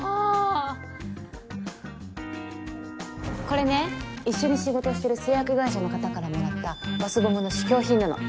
これね一緒に仕事をしてる製薬会社の方からもらったバスボムの試供品なの。